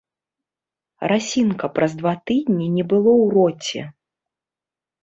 Расiнка праз два тыднi не было ў роце...